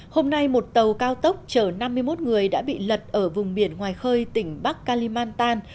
hôm nay một tàu cao tốc chở năm mươi một người đã bị lật ở vùng biển ngoài khơi tỉnh bắc kalimantan